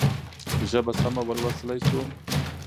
ژبه سمه ولوستلای شو.